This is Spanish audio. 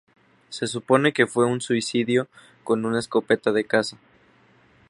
Se supone que fue un suicidio con una escopeta de caza.